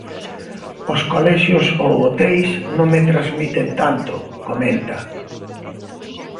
Os colexios ou hoteis non me transmiten tanto, comenta.